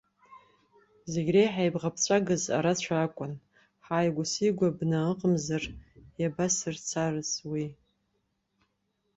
Зегь реиҳа ибӷаԥҵәагаз арацәа акәын, ҳааигәа-сигәа бна ыҟамзар иабасырцарыз уи?